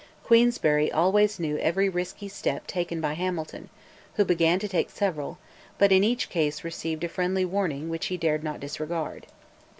Queensberry always knew every risky step taken by Hamilton, who began to take several, but in each case received a friendly warning which he dared not disregard.